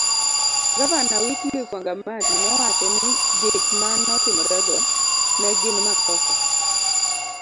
Gavana Wycliffe wangamati nowacho ni gik manotimrego ne gin makosa